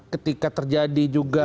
ketika terjadi juga